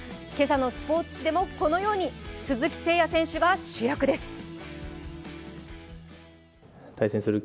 今朝のスポーツ紙でもこのように鈴木誠也選手が主役です。